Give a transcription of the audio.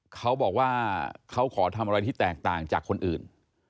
เขาบอกว่าเขาขอทำอะไรที่แตกต่างจากคนอื่น